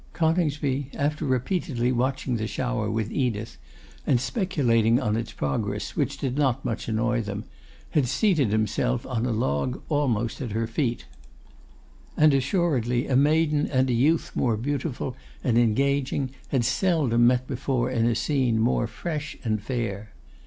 Coningsby, after repeatedly watching the shower with Edith, and speculating on its progress, which did not much annoy them, had seated himself on a log almost at her feet. And assuredly a maiden and a youth more beautiful and engaging had seldom met before in a scene more fresh and fair.